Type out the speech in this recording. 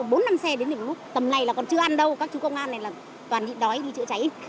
có bốn năm xe đến được một lúc tầm này là còn chưa ăn đâu các chú công an này là toàn bị đói đi chữa cháy